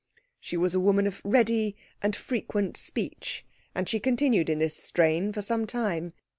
She was a woman of ready and frequent speech, and she continued in this strain for some time.